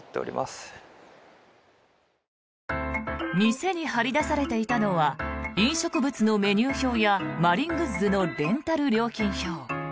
店に貼り出されていたのは飲食物のメニュー表やマリングッズのレンタル料金表。